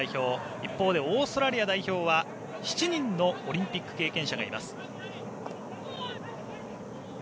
一方でオーストラリア代表は７人のオリンピック経験者がいます。